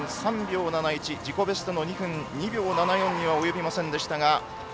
自己ベストの２分２秒７４にはおよびませんでした。